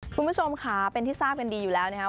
คุณผู้ชมค่ะเป็นที่ทราบกันดีอยู่แล้วนะครับ